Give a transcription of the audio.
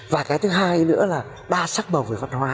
và cái thứ hai nữa là đa sắc bầu về văn hóa